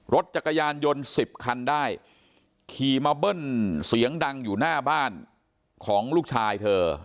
รถจักรยานยนต์๑๐คันได้ขี่มาเบิ้ลเสียงดังอยู่หน้าบ้านของลูกชายเธอ